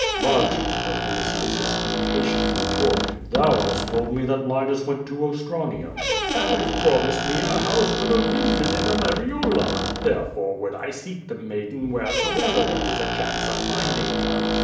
"But," was Vinitius's impatient retort, "thou hast told mc that Linus went to Ostranium." "Thou has promised me a house with a vineyard in Arae riole. Therefore would I seek the maiden wheresoever there is a chance of finding her.